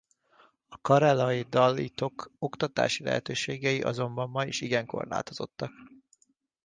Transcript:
A keralai dalitok oktatási lehetőségei azonban ma is igen korlátozottak.